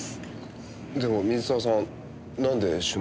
でも水沢さんなんで駿の事を？